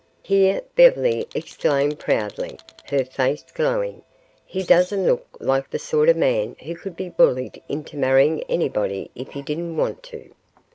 Here Beverly exclaimed proudly, her face glowing: "He doesn't look like the sort of man who could be bullied into marrying anybody if he didn't want to."